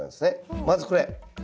まずこれ。